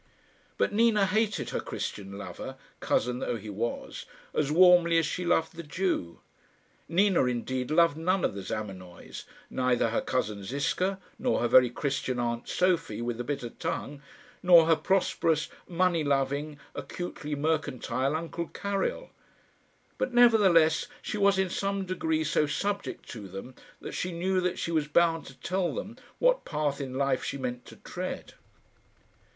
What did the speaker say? But Nina hated her Christian lover, cousin though he was, as warmly as she loved the Jew. Nina, indeed, loved none of the Zamenoys neither her cousin Ziska, nor her very Christian aunt Sophie with the bitter tongue, nor her prosperous, money loving, acutely mercantile uncle Karil; but, nevertheless, she was in some degree so subject to them, that she knew that she was bound to tell them what path in life she meant to tread.